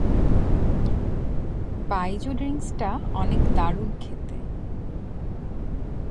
বাইজু ড্রিংসটা অনেক দারুন খেতে।